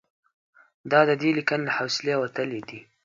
دا د دې لیکنې له حوصلې وتلي دي.